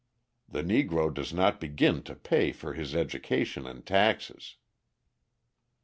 The Negro does not begin to pay for his education in taxes."